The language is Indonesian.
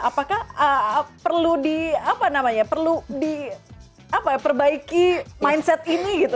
apakah perlu di apa namanya perlu di apa ya perbaiki mindset ini gitu